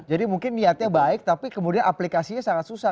jadi mungkin niatnya baik tapi kemudian aplikasinya sangat susah